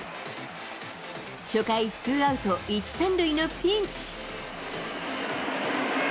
初回ツーアウト１、３塁のピンチ。